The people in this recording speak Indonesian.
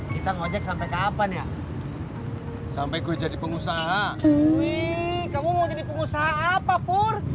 kita ngajak sampai kapan ya sampai gue jadi pengusaha kamu mau jadi pengusaha apa pur